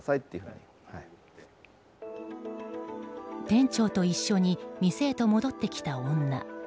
店長と一緒に店へと戻ってきた女。